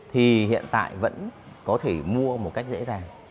thì hiện tại vẫn có thể mua một cách dễ dàng